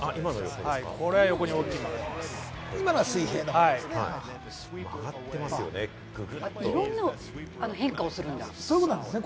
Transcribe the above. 今のは水平なんですね。